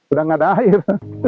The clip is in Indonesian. udah nggak ada air